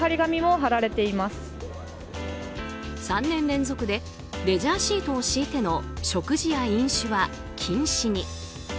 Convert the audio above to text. ３年連続でレジャーシートを敷いての食事や飲酒は禁止に。